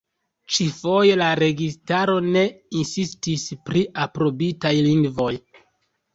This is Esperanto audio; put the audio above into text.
Ĉi-foje la registaro ne insistis pri aprobitaj lingvoj.